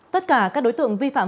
tất cả các đối tượng vi phạm